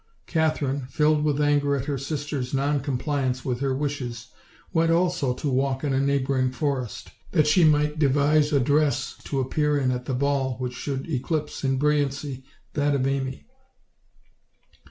Katherine, filled with anger at her sister's non compliance with her wishes, went also to walk in a neighboring forest, that she might devise a dress to ap pear in at the ball which should eclipse in brilliancy that of Amy.